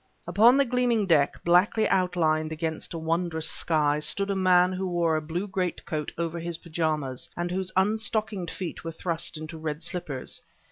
Upon the gleaming deck, blackly outlined against a wondrous sky, stood a man who wore a blue greatcoat over his pyjamas, and whose unstockinged feet were thrust into red slippers.